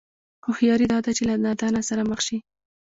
هوښياري دا ده چې له نادانه سره مخ شي.